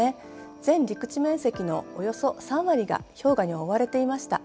全陸地面積のおよそ３割が氷河に覆われていました。